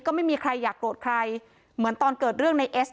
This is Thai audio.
ก็ไม่มีใครอยากโกรธใครเหมือนตอนเกิดเรื่องในเอส